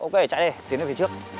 ok chạy đây tiến lên phía trước